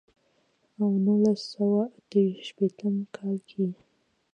او نولس سوه اتۀ شپېتم کال کښې ئې